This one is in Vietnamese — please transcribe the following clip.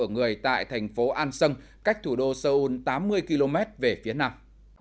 ở người tại thành phố an sơn cách thủ đô seoul tám mươi km về phía nằm